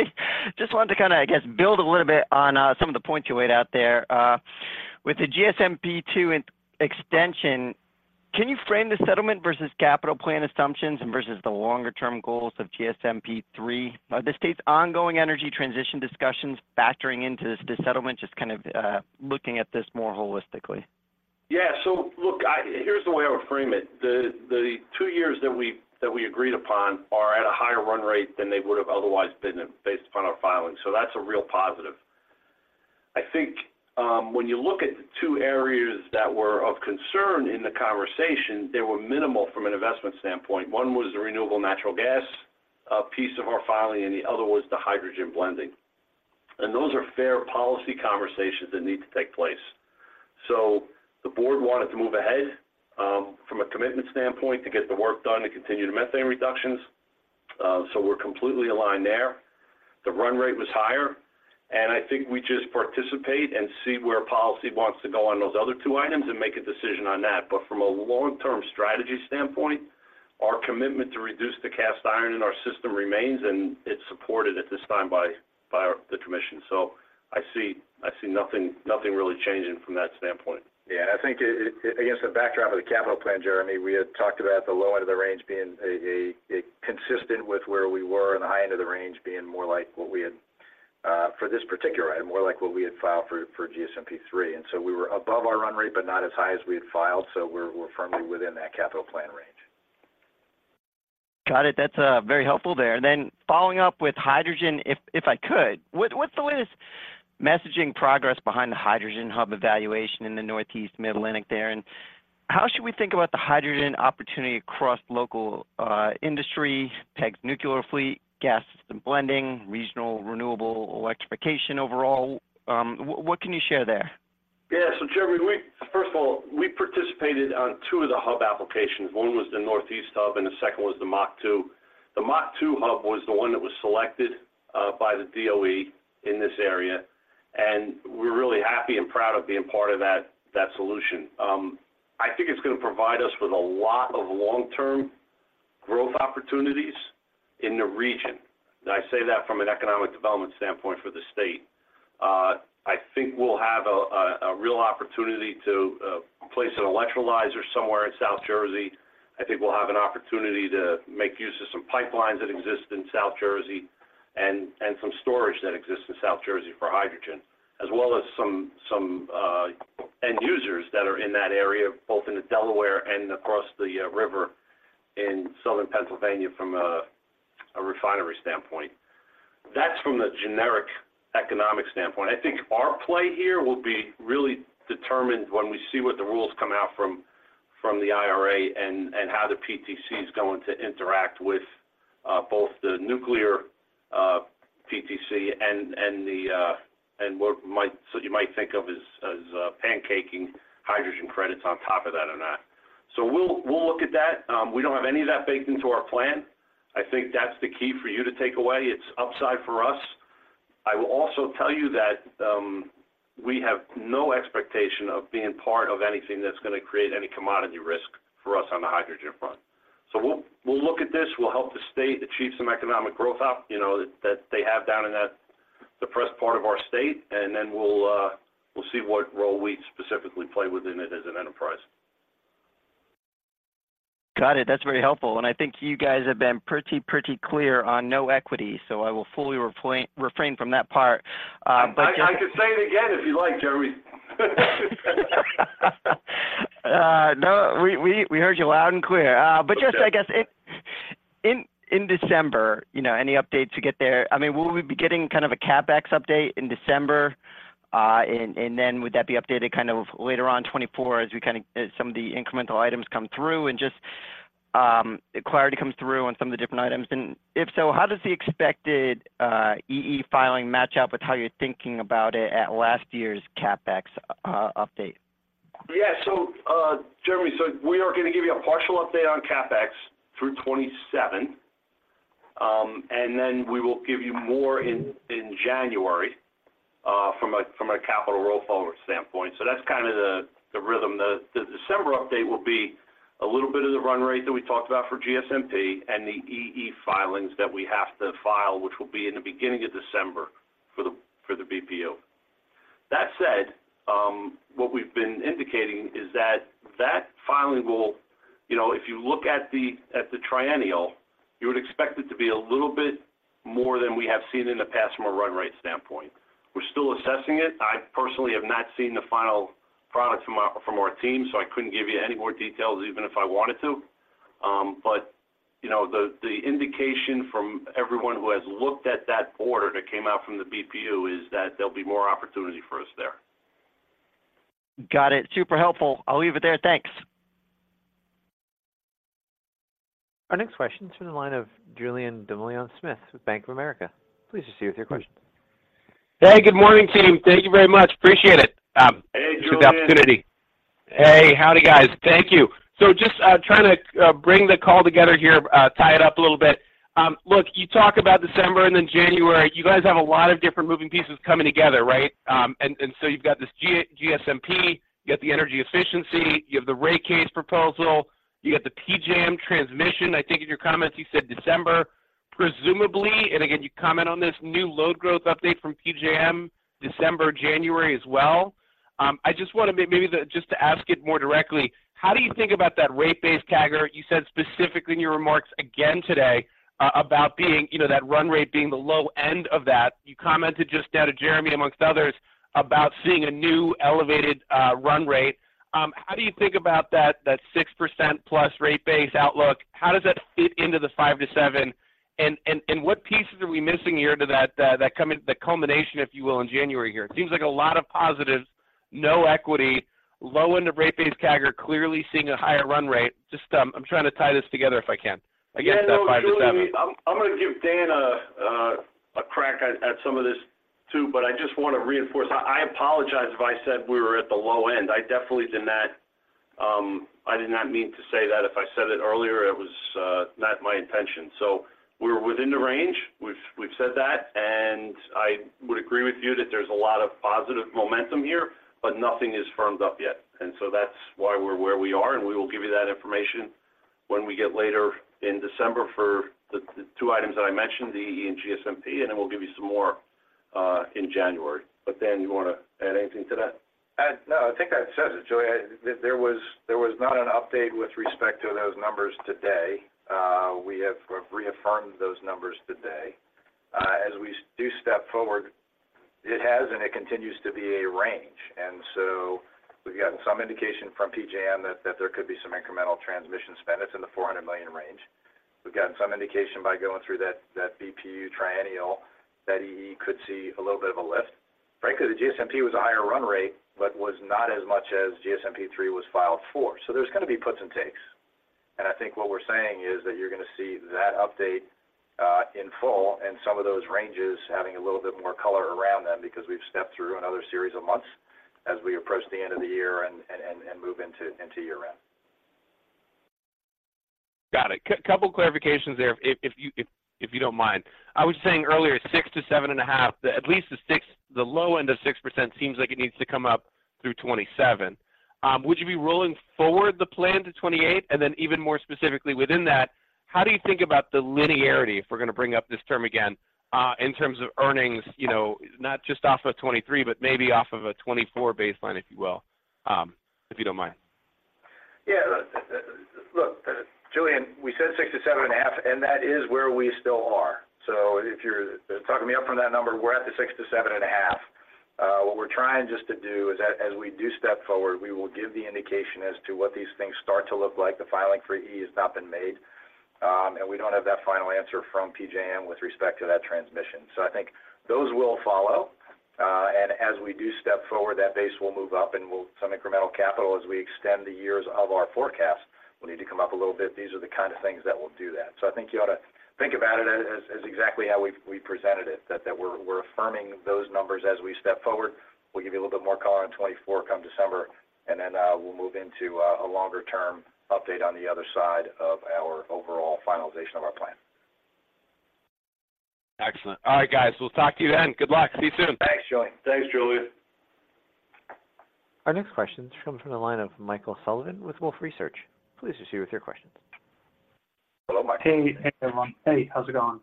Hey, just wanted to kind of, I guess, build a little bit on some of the points you laid out there. With the GSMP2 extension, can you frame the settlement versus capital plan assumptions and versus the longer-term goals of GSMP3? Are the state's ongoing energy transition discussions factoring into this settlement, just kind of looking at this more holistically? Yeah. So look, here's the way I would frame it. The two years that we agreed upon are at a higher run rate than they would have otherwise been based upon our filings. So that's a real positive. I think, when you look at the two areas that were of concern in the conversation, they were minimal from an investment standpoint. One was the renewable natural gas piece of our filing, and the other was the hydrogen blending. And those are fair policy conversations that need to take place. So the board wanted to move ahead, from a commitment standpoint, to get the work done to continue the methane reductions. So we're completely aligned there. The run rate was higher, and I think we just participate and see where policy wants to go on those other two items and make a decision on that. But from a long-term strategy standpoint, our commitment to reduce the cast iron in our system remains, and it's supported at this time by the commission. So I see nothing really changing from that standpoint. Yeah, I think it against the backdrop of the capital plan, Jeremy, we had talked about the low end of the range being a consistent with where we were, and the high end of the range being more like what we had for this particular item, more like what we had filed for GSMP3. And so we were above our run rate, but not as high as we had filed, so we're firmly within that capital plan range. Got it. That's very helpful there. And then following up with hydrogen, if I could, what's the latest messaging progress behind the hydrogen hub evaluation in the Northeast Mid-Atlantic there, and how should we think about the hydrogen opportunity across local industry, PSEG's nuclear fleet, gas and blending, regional renewable electrification overall? What can you share there? Yeah. So Jeremy, we, first of all, we participated on two of the hub applications. One was the Northeast Hub, and the second was the MACH2. The MACH2 hub was the one that was selected by the DOE in this area, and we're really happy and proud of being part of that solution. I think it's gonna provide us with a lot of long-term growth opportunities in the region. And I say that from an economic development standpoint for the state. I think we'll have a real opportunity to place an electrolyzer somewhere in South Jersey. I think we'll have an opportunity to make use of some pipelines that exist in South Jersey and some storage that exists in South Jersey for hydrogen, as well as some end users that are in that area, both in Delaware and across the river in southern Pennsylvania from a refinery standpoint. That's from the generic economic standpoint. I think our play here will be really determined when we see what the rules come out from the IRA and how the PTC is going to interact with both the nuclear PTC, and the, and what might-- so you might think of as pancaking hydrogen credits on top of that or not. So we'll look at that. We don't have any of that baked into our plan. I think that's the key for you to take away. It's upside for us. I will also tell you that, we have no expectation of being part of anything that's gonna create any commodity risk for us on the hydrogen front. So we'll, we'll look at this. We'll help the state achieve some economic growth out, you know, that, that they have down in that, the first part of our state, and then we'll, we'll see what role we specifically play within it as an enterprise. Got it. That's very helpful, and I think you guys have been pretty, pretty clear on no equity, so I will fully refrain from that part, but just- I could say it again if you like, Jeremy. No, we heard you loud and clear. Okay. But just I guess, in December, you know, any update to get there? I mean, will we be getting kind of a CapEx update in December, and then would that be updated kind of later on 2024 as we kind of, as some of the incremental items come through and just, clarity comes through on some of the different items? And if so, how does the expected, EE filing match up with how you're thinking about it at last year's CapEx, update? Yeah. So, Jeremy, so we are gonna give you a partial update on CapEx through 2027, and then we will give you more in January, from a capital roll forward standpoint. So that's kind of the rhythm. The December update will be a little bit of the run rate that we talked about for GSMP and the EE filings that we have to file, which will be in the beginning of December for the BPU. That said, what we've been indicating is that that filing will... You know, if you look at the triennial, you would expect it to be a little bit more than we have seen in the past from a run rate standpoint. We're still assessing it. I personally have not seen the final product from our team, so I couldn't give you any more details, even if I wanted to. But you know, the indication from everyone who has looked at that order that came out from the BPU is that there'll be more opportunity for us there. Got it. Super helpful. I'll leave it there. Thanks. Our next question is from the line of Julien Dumoulin-Smith with Bank of America. Please proceed with your question. Hey, good morning, team. Thank you very much. Appreciate it. Hey, Julien. Thanks for the opportunity. Hey, howdy, guys. Thank you. So just trying to bring the call together here, tie it up a little bit. Look, you talk about December and then January. You guys have a lot of different moving pieces coming together, right? And so you've got this GSMP, you got the energy efficiency, you have the rate case proposal, you got the PJM transmission. I think in your comments, you said December, presumably, and again, you comment on this new load growth update from PJM, December, January as well. I just want to maybe just to ask it more directly, how do you think about that rate base CAGR? You said specifically in your remarks again today about being, you know, that run rate being the low end of that. You commented just now to Jeremy, among others, about seeing a new elevated run rate. How do you think about that, that 6%+ rate base outlook? How does that fit into the 5%-7%, and, and, and what pieces are we missing here to that that come in, the culmination, if you will, in January here? It seems like a lot of positives, no equity, low end of rate base CAGR, clearly seeing a higher run rate. Just, I'm trying to tie this together, if I can. I guess that 5%-7%. Yeah, no, Julien, I'm gonna give Dan a crack at some of this too, but I just want to reinforce. I apologize if I said we were at the low end. I definitely did not, I did not mean to say that. If I said it earlier, it was not my intention. So we're within the range. We've said that, and I would agree with you that there's a lot of positive momentum here, but nothing is firmed up yet. And so that's why we're where we are, and we will give you that information when we get later in December for the two items that I mentioned, the EE and GSMP, and then we'll give you some more in January. But, Dan, you want to add anything to that? No, I think that says it, Julien. There was not an update with respect to those numbers today. We have reaffirmed those numbers today. As we do step forward, it has, and it continues to be a range. And so we've gotten some indication from PJM that there could be some incremental transmission spend. It's in the $400 million range. We've gotten some indication by going through that BPU triennial that EE could see a little bit of a lift. Frankly, the GSMP was a higher run rate, but was not as much as GSMP three was filed for. So there's gonna be puts and takes. I think what we're saying is that you're gonna see that update in full, and some of those ranges having a little bit more color around them because we've stepped through another series of months as we approach the end of the year and move into year-round. Got it. Couple clarifications there, if you don't mind. I was saying earlier, 6 to 7.5, at least the low end of 6% seems like it needs to come up through 2027. Would you be rolling forward the plan to 2028? And then even more specifically within that, how do you think about the linearity, if we're gonna bring up this term again, in terms of earnings, you know, not just off of 2023, but maybe off of a 2024 baseline, if you will, if you don't mind? Yeah, look, look, Julian, we said 6 to 7.5, and that is where we still are. So if you're talking me up from that number, we're at the 6 to 7.5. What we're trying just to do is as we do step forward, we will give the indication as to what these things start to look like. The filing for E has not been made, and we don't have that final answer from PJM with respect to that transmission. So I think those will follow, and as we do step forward, that base will move up, and we'll some incremental capital as we extend the years of our forecast will need to come up a little bit. These are the kinds of things that will do that. So I think you ought to think about it as exactly how we presented it. That we're affirming those numbers as we step forward. We'll give you a little bit more color on 2024 come December, and then we'll move into a longer-term update on the other side of our overall finalization of our plan. Excellent. All right, guys. We'll talk to you then. Good luck. See you soon. Thanks, Julian. Thanks, Julian. Our next question comes from the line of Michael Sullivan with Wolfe Research. Please proceed with your questions. Hello, Michael. Hey, everyone. Hey, how's it going?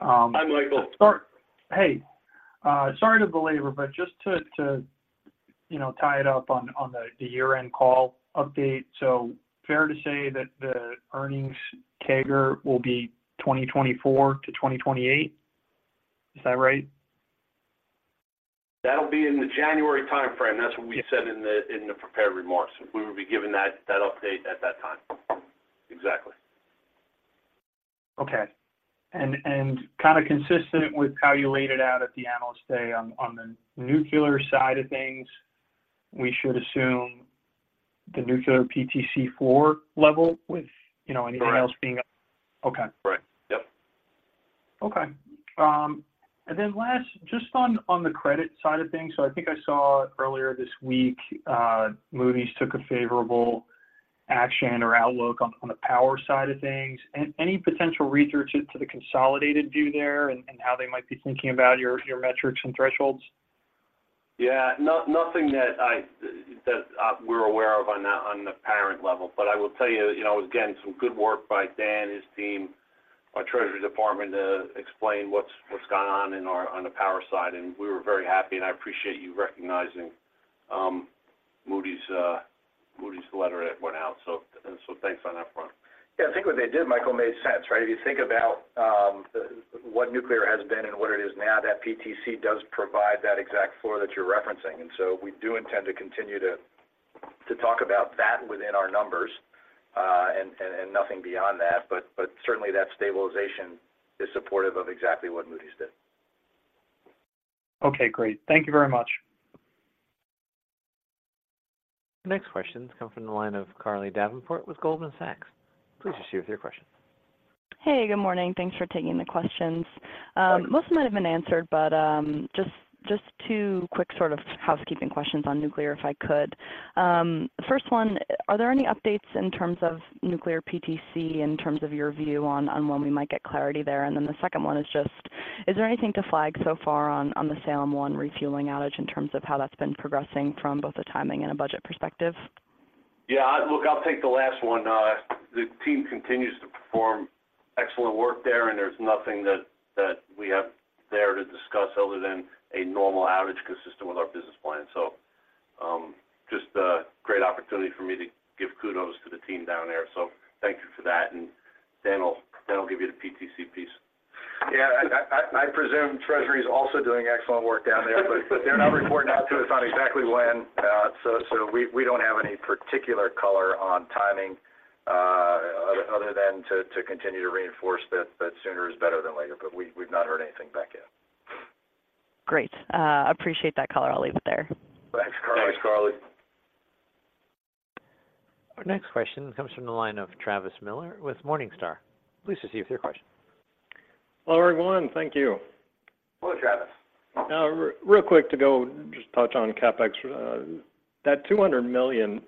Hi, Michael. Hey, sorry to belabor, but just to, you know, tie it up on the year-end call update. So, fair to say that the earnings CAGR will be 2024-2028? Is that right? That'll be in the January time frame. That's what we said in the, in the prepared remarks. We would be giving that, that update at that time. Exactly. Okay. And kind of consistent with how you laid it out at the Analyst Day, on the nuclear side of things, we should assume the nuclear PTC 4 level with, you know- Correct. Anything else being... Okay. Right. Yep. Okay. And then last, just on, on the credit side of things. So I think I saw earlier this week, Moody's took a favorable action or outlook on, on the power side of things. Any potential research into the consolidated view there and, and how they might be thinking about your, your metrics and thresholds? Yeah, nothing that I, that we're aware of on the parent level. But I will tell you, you know, again, some good work by Dan, his team, our treasury department, to explain what's gone on in our on the power side, and we were very happy, and I appreciate you recognizing Moody's letter that went out. So thanks on that front. Yeah, I think what they did, Michael, made sense, right? If you think about what nuclear has been and what it is now, that PTC does provide that exact floor that you're referencing. And so we do intend to continue to talk about that within our numbers, and nothing beyond that, but certainly that stabilization is supportive of exactly what Moody's did. Okay, great. Thank you very much. The next question comes from the line of Carly Davenport with Goldman Sachs. Please proceed with your question. Hey, good morning. Thanks for taking the questions. Most of them have been answered, but just two quick sort of housekeeping questions on nuclear, if I could. First one, are there any updates in terms of nuclear PTC, in terms of your view on when we might get clarity there? And then the second one is just, is there anything to flag so far on the Salem 1 refueling outage in terms of how that's been progressing from both a timing and a budget perspective? Yeah, look, I'll take the last one. The team continues to perform excellent work there, and there's nothing that we have there to discuss other than a normal outage consistent with our business plan. So, just a great opportunity for me to give kudos to the team down there. So thank you for that, and Dan will give you the PTC piece. Yeah, I presume Treasury is also doing excellent work down there, but they're not reporting out to us on exactly when, so we don't have any particular color on timing, other than to continue to reinforce that sooner is better than later, but we've not heard anything back yet. Great. Appreciate that color. I'll leave it there. Thanks, Carly. Thanks, Carly. Our next question comes from the line of Travis Miller with Morningstar. Please proceed with your question. Hello, everyone. Thank you. Hello, Travis. Real quick, to go just touch on CapEx. That $200 million,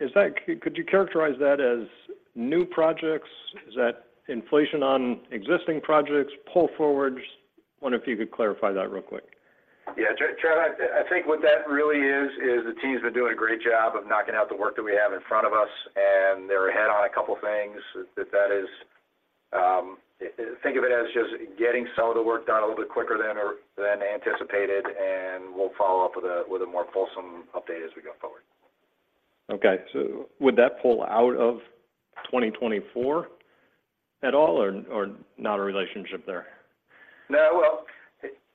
is that—could you characterize that as new projects? Is that inflation on existing projects, pull forwards? Wonder if you could clarify that real quick. Yeah, Travis, I think what that really is, is the team's been doing a great job of knocking out the work that we have in front of us, and they're ahead on a couple of things. That, that is, Think of it as just getting some of the work done a little bit quicker than than anticipated, and we'll follow up with a, with a more fulsome update as we go forward. Okay. So would that pull out of 2024 at all or, or not a relationship there? No, well,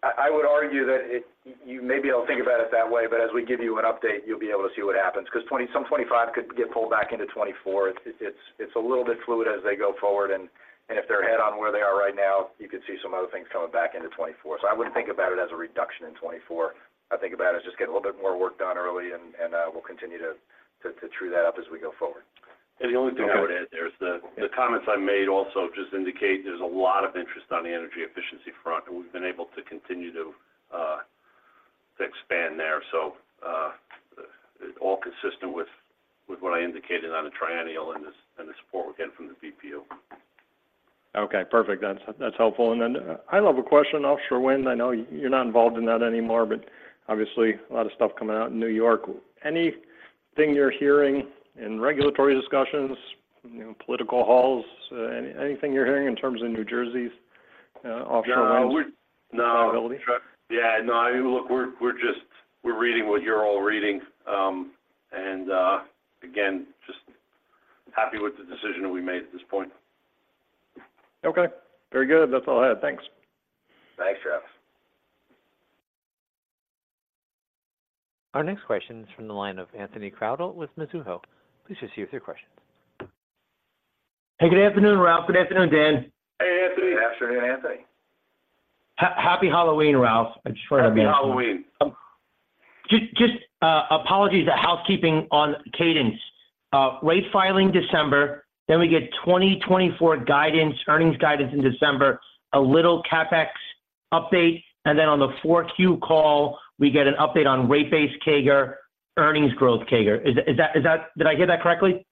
I would argue that you maybe don't think about it that way, but as we give you an update, you'll be able to see what happens. Because some 2025 could get pulled back into 2024. It's a little bit fluid as they go forward, and if they're ahead on where they are right now, you could see some other things coming back into 2024. So I wouldn't think about it as a reduction in 2024. I'd think about it as just getting a little bit more work done early, and we'll continue to true that up as we go forward. The only thing I would add there is the comments I made also just indicate there's a lot of interest on the energy efficiency front, and we've been able to continue to expand there. So, all consistent with what I indicated on the Triennial and the support we're getting from the BPU. Okay, perfect. That's, that's helpful. And then high level question, offshore wind. I know you're not involved in that anymore, but obviously, a lot of stuff coming out in New York. Anything you're hearing in regulatory discussions, you know, political halls, anything you're hearing in terms of New Jersey's offshore winds? No, no. -liability? Yeah, no, I mean, look, we're just - we're reading what you're all reading. And again, just happy with the decision that we made at this point. Okay. Very good. That's all I had. Thanks. Thanks, Our next question is from the line of Anthony Crowdell with Mizuho. Please proceed with your question. Hey, good afternoon, Ralph. Good afternoon, Dan. Hey, Anthony. Good afternoon, Anthony. Happy Halloween, Ralph. I just wanted to- Happy Halloween. Just apologies, a housekeeping on cadence. Rate filing December, then we get 2024 guidance, earnings guidance in December, a little CapEx update, and then on the 4Q call, we get an update on rate-based CAGR, earnings growth CAGR. Is that? Did I hear that correctly?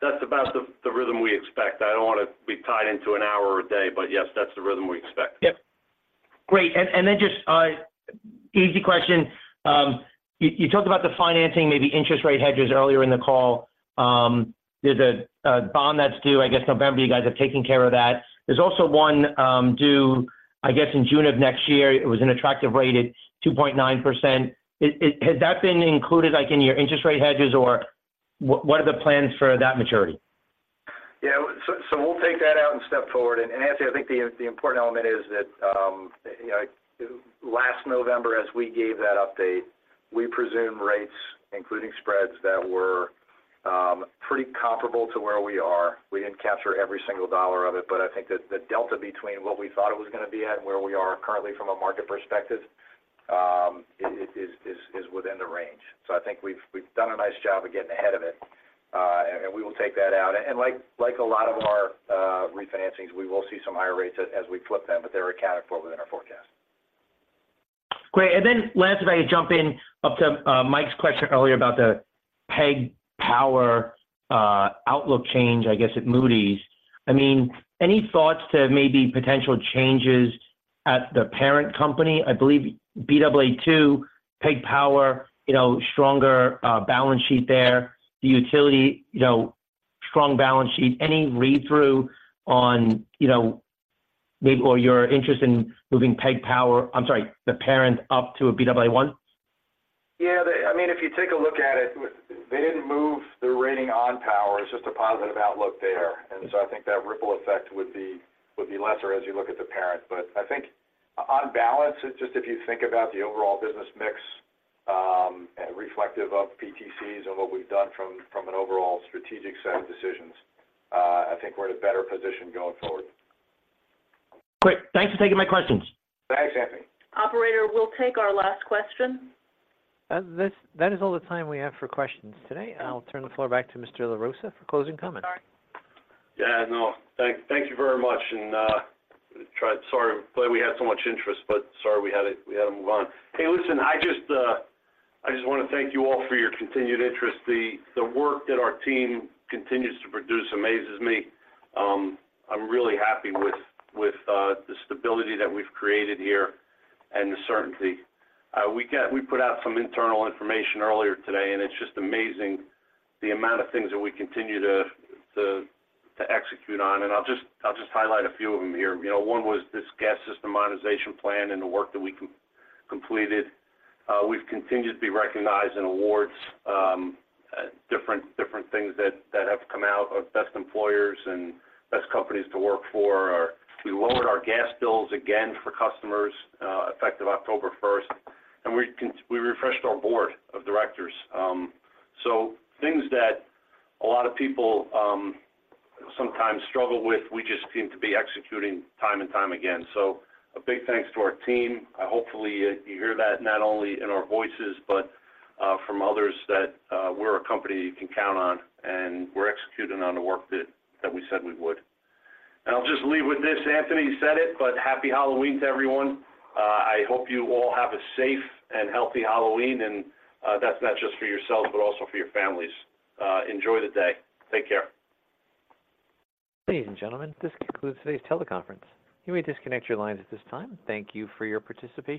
That's about the rhythm we expect. I don't want to be tied into an hour a day, but yes, that's the rhythm we expect. Yep. Great. And then just, easy question, you talked about the financing, maybe interest rate hedges earlier in the call. There's a bond that's due, I guess, November, you guys have taken care of that. There's also one due, I guess, in June of next year. It was an attractive rate at 2.9%. Has that been included, like, in your interest rate hedges, or what are the plans for that maturity? Yeah, so we'll take that out and step forward. And Anthony, I think the important element is that, you know, last November, as we gave that update, we presumed rates, including spreads, that were pretty comparable to where we are. We didn't capture every single dollar of it, but I think that the delta between what we thought it was going to be at and where we are currently from a market perspective is within the range. So I think we've done a nice job of getting ahead of it, and we will take that out. And like a lot of our refinancings, we will see some higher rates as we flip them, but they're accounted for within our forecast. Great. And then last, if I could jump in up to Mike's question earlier about the PSEG Power outlook change, I guess, at Moody's. I mean, any thoughts to maybe potential changes at the parent company? I believe Baa2, PSEG Power, you know, stronger balance sheet there. The utility, you know, strong balance sheet. Any read-through on, you know, maybe or your interest in moving PSEG Power, I'm sorry, the parent up to a Baa1? Yeah, they I mean, if you take a look at it, they didn't move the rating on power. It's just a positive outlook there. And so I think that ripple effect would be, would be lesser as you look at the parent. But I think on balance, it's just if you think about the overall business mix, and reflective of PTCs and what we've done from, from an overall strategic set of decisions, I think we're in a better position going forward. Great. Thanks for taking my questions. Thanks, Anthony. Operator, we'll take our last question. That is all the time we have for questions today. I'll turn the floor back to Mr. LaRossa for closing comments. Sorry. Yeah, no. Thank you very much, and, sorry, but we had so much interest, but sorry, we had to move on. Hey, listen, I just want to thank you all for your continued interest. The work that our team continues to produce amazes me. I'm really happy with the stability that we've created here and the certainty. We put out some internal information earlier today, and it's just amazing the amount of things that we continue to execute on, and I'll just highlight a few of them here. You know, one was this gas system monetization plan and the work that we completed. We've continued to be recognized in awards, different things that have come out of best employers and best companies to work for. We lowered our gas bills again for customers, effective October first, and we refreshed our board of directors. So things that a lot of people sometimes struggle with, we just seem to be executing time and time again. So a big thanks to our team. Hopefully, you hear that not only in our voices, but from others, that we're a company you can count on, and we're executing on the work that we said we would. And I'll just leave with this, Anthony said it, but Happy Halloween to everyone. I hope you all have a safe and healthy Halloween, and that's not just for yourselves, but also for your families. Enjoy the day. Take care. Ladies and gentlemen, this concludes today's teleconference. You may disconnect your lines at this time. Thank you for your participation.